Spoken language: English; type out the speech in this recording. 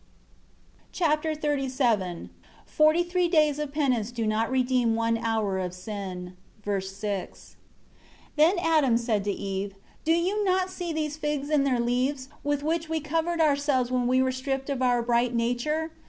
Chapter XXXVII Forty three days of penance do not redeem one hour of sin (v. 6). 1 Then Adam said to Eve, "Do you not see these figs and their leaves, with which we covered ourselves when we were stripped of our bright nature?